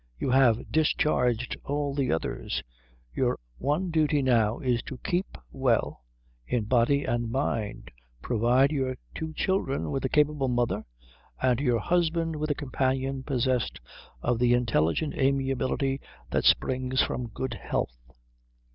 You have discharged all the others. Your one duty now is to keep well in body and mind, provide your two children with a capable mother, and your husband with a companion possessed of the intelligent amiability that springs from good health."